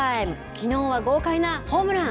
きのうは豪快なホームラン。